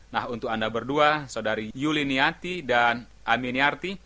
nah untuk anda berdua saudari yuli niyati dan ami niyati